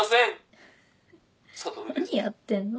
フフ何やってんの？